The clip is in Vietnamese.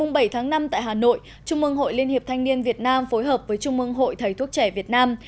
ngày bảy tháng năm tại hà nội trung mương hội liên hiệp thanh niên việt nam phối hợp với trung mương hội thầy thuốc trẻ việt nam